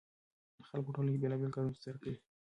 خلک په ټولنه کې بېلابېل کارونه ترسره کوي.